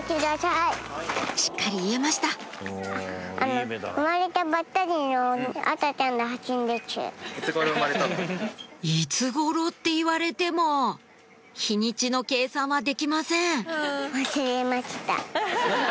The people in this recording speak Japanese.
しっかり言えましたいつ頃って言われても日にちの計算はできません「わすれました」。